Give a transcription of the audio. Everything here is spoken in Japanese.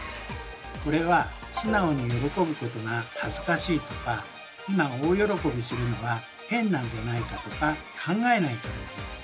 これは素直に喜ぶことが恥ずかしいとか今大喜びするのは変なんじゃないかとか考えないからなんです。